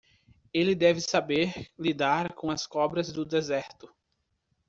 Ele deve saber lidar com as cobras do deserto.